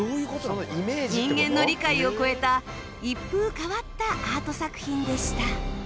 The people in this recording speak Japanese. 人間の理解を超えた一風変わったアート作品でした